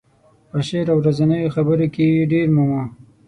په شعر او ورځنیو خبرو کې یې ډېر مومو.